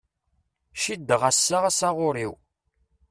Ciddeɣ ass-a asaɣur-iw.